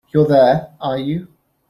You're there, are you?